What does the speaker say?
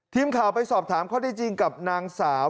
ทีมข่าวไปสอบถามข้อได้จริงกับนางสาว